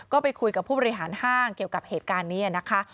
ก็ไปคุยกับผู้บริหารห้างเกี่ยวกับเหตุการณ์นี้นะคะ